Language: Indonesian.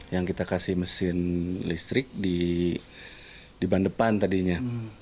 yang kita kasih mesin listrik di bandepan tadinya